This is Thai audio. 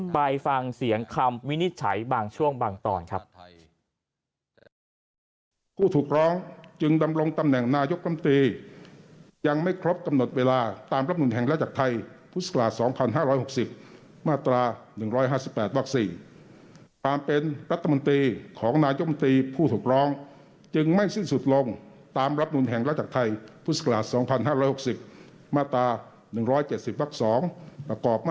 ไปฟังเสียงคำวินิจฉัยบางช่วงบางตอนครับ